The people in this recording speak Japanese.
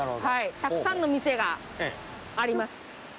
たくさんの店があります。